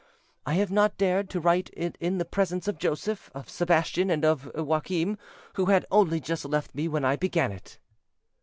I have not dared to write it in the presence of Joseph, of Sebastian, and of Joachim, who had only just left me when I began it."